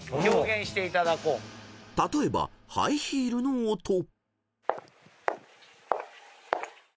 ［例えばハイヒールの音］